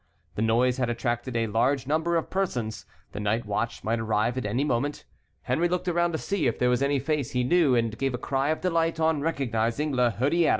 The noise had attracted a large number of persons; the night watch might arrive at any moment. Henry looked around to see if there was any face he knew, and gave a cry of delight on recognizing La Hurière.